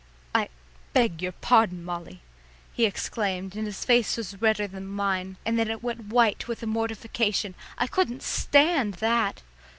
"I beg your pardon, Molly," he exclaimed, and his face was redder than mine, and then it went white with mortification. I couldn't stand that.